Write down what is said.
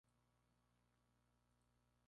Gustavo Angarita Jr.